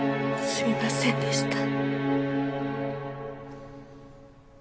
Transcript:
すみませんでした。